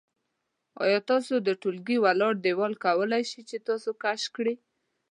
آیا ستاسو د ټولګي ولاړ دیوال کولی شي چې تاسو کش کړي؟